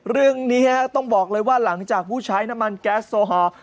เรื่องนี้ต้องบอกเลยว่าหลังจากผู้ใช้น้ำมันแก๊สโซฮอล์